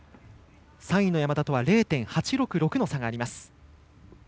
３位の山田とは０．８６６の差があります。